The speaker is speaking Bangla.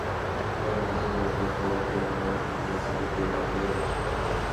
পরে নাজিমের মাধ্যমে খবর পেয়ে এলাকাবাসী ঘটনাস্থলে গিয়ে বাবুলের লাশ পায়।